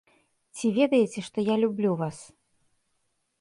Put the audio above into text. Ці ведаеце, што я люблю вас?